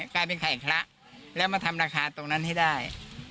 กลายเป็นไข่คละแล้วมาทำราคาตรงนั้นให้ได้